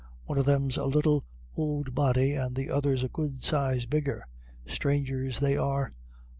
One of them's a little ould body, and the other's a good size bigger. Strangers they are.